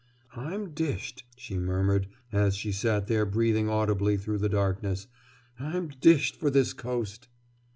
"I'm dished!" she murmured, as she sat there breathing audibly through the darkness. "I'm dished for this coast!"